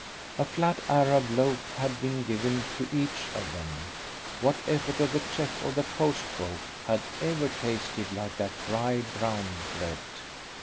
A flat Arab loaf had been given to each of them what effort of the chef of the post boat had ever tasted like that dry brown bread?